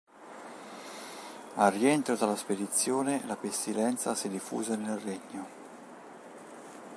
Al rientro della spedizione la pestilenza si diffuse nel regno.